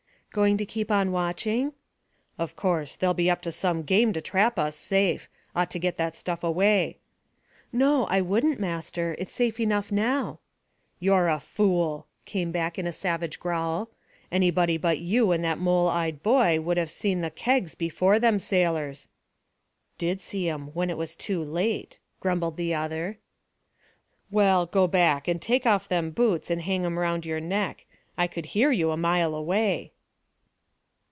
"Going to keep on watching?" "Of course. They'll be up to some game to trap us safe. Ought to get that stuff away." "No, I wouldn't, master; it's safe enough now." "You're a fool," came back in a savage growl. "Anybody but you and that mole eyed boy would have seen the kegs before them sailors." "Did see 'em when it was too late," grumbled the other. "Well, go back; and take off them boots, and hang 'em round your neck. I could hear you a mile away."